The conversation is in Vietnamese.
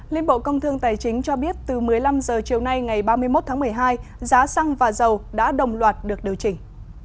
liên bộ công thương tài chính cho biết từ một mươi năm h chiều nay ngày ba mươi một tháng một mươi hai giá xăng và dầu đã đồng loạt được điều chỉnh